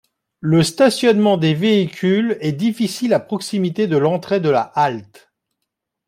Le stationnement des véhicules est difficile à proximité de l'entrée de la halte.